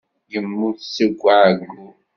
Yemmut seg uɛeyyu.